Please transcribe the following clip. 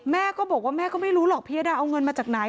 แม่ก็บอกว่าแม่ก็ไม่รู้หรอกพิยดาเอาเงินมาจากไหน